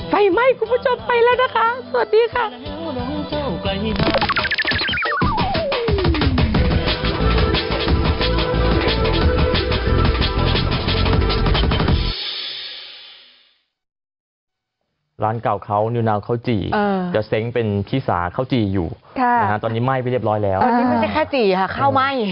ไฟไหม้คุณผู้ชมไปแล้วนะคะสวัสดีค่ะ